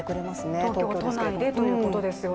東京都内で、ということですよね。